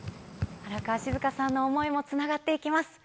荒川静香さんの想いもつながっていきます。